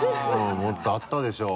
もっとあったでしょ？